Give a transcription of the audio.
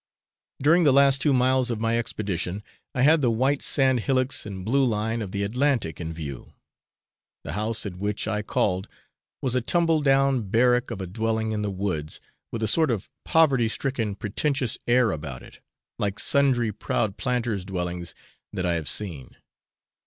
During the last two miles of my expedition, I had the white sand hillocks and blue line of the Atlantic in view. The house at which I called was a tumble down barrack of a dwelling in the woods, with a sort of poverty stricken pretentious air about it, like sundry 'proud planters' dwellings that I have seen.